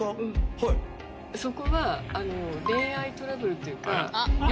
はいそこは恋愛トラブルというかよ